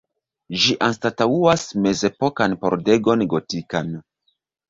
Ĝi anstataŭas mezepokan pordegon gotikan.